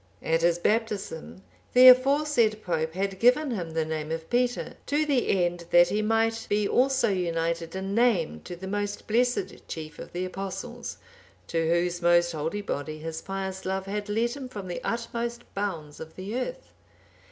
At his baptism, the aforesaid pope had given him the name of Peter, to the end, that he might be also united in name to the most blessed chief of the Apostles, to whose most holy body his pious love had led him from the utmost bounds of the earth.